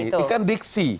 ini kan diksi